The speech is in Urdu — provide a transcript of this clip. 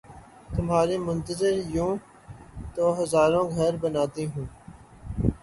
تمہاری منتظر یوں تو ہزاروں گھر بناتی ہوں